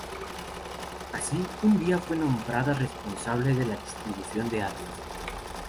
Así un día fue nombrada responsable de la distribución de las armas.